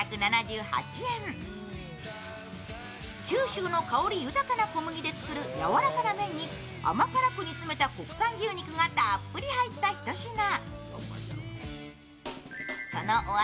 九州の香り豊かな小麦で作るやわらかな麺に甘辛く煮詰めた国産牛肉がたっぷり入ったひと品。